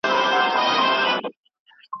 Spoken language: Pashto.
زه به په یو ساعت کې هلته در ورسېږم.